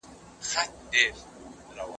سیکانو پېښور ونیوه.